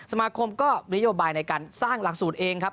สมาคมก็นโยบายในการสร้างหลักสูตรเองครับ